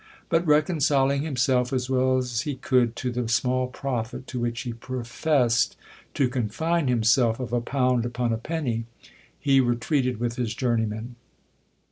But reconciling himself as well as he could to the small profit, to which he professed to confine himself, of a pound upon a penny, he retreated with his journeymen.